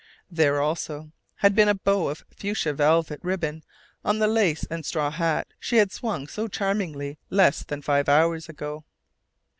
There also had been a bow of fuchsia velvet ribbon on the lace and straw hat she had swung so charmingly less than five hours ago.